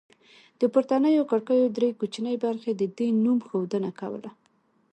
د پورتنیو کړکیو درې کوچنۍ برخې د دې نوم ښودنه کوله